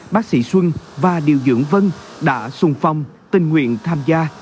bác sĩ xuân và điều dưỡng vân đã sung phong tình nguyện tham gia